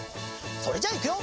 それじゃあいくよ！